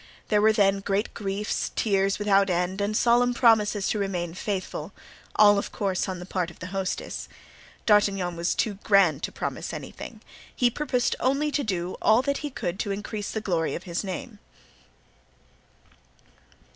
There were then great griefs, tears without end and solemn promises to remain faithful—all of course on the part of the hostess. D'Artagnan was too grand to promise anything; he purposed only to do all that he could to increase the glory of his name.